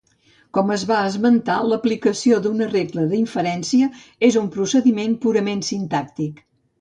Com es va esmentar, l'aplicació d'una regla d'inferència és un procediment purament sintàctic.